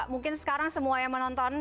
mungkin sekarang semua yang menonton